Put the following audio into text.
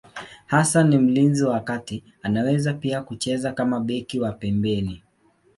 Hasa ni mlinzi wa kati, anaweza pia kucheza kama beki wa pembeni.